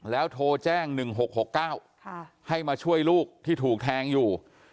แล้วโทรแจ้ง๑๖๖๙ให้มาช่วยลูกที่ถูกแทงอยู่